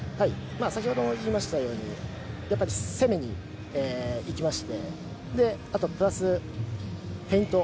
先ほども言いましたように攻めに行きましてあと、プラス、フェイント。